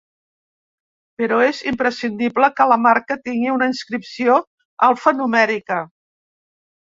Però és imprescindible que la marca tingui una inscripció alfanumèrica.